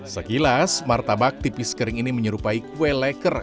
sekilas martabak tipis kering ini menyerupai kue leker